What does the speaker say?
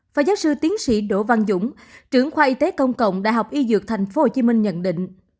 phó giáo sư tiến sĩ đỗ văn dũng trưởng khoa y tế công cộng đại học y dược tp hcm nhận định